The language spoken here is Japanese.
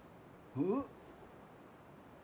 えっ？